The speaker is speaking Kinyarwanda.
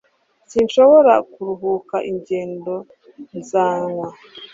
Sinshobora kuruhuka ingendo; Nzanywa